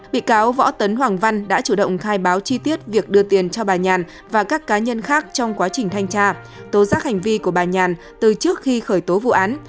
bị cáo võ tấn hoàng văn đã chủ động khai báo chi tiết việc đưa tiền cho bà nhàn và các cá nhân khác trong quá trình thanh tra tố giác hành vi của bà nhàn từ trước khi khởi tố vụ án